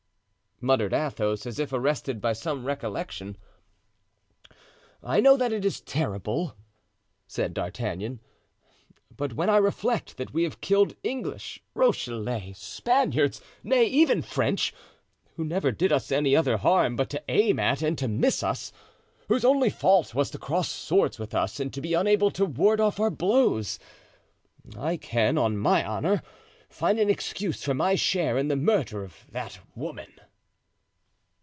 muttered Athos, as if arrested by some recollection. "I know that it is terrible," said D'Artagnan; "but when I reflect that we have killed English, Rochellais, Spaniards, nay, even French, who never did us any other harm but to aim at and to miss us, whose only fault was to cross swords with us and to be unable to ward off our blows—I can, on my honor, find an excuse for my share in the murder of that woman."